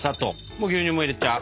もう牛乳も入れちゃう。